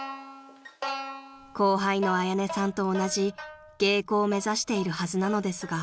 ［後輩の彩音さんと同じ芸妓を目指しているはずなのですが］